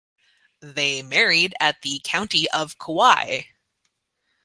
They married at the county of Kauai.